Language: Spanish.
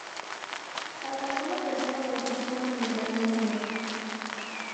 Alcanzó la tercera posición en el Reino Unido.